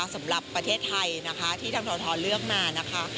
สำหรับประเทศไทยนะคะที่ทางททเลือกมานะคะ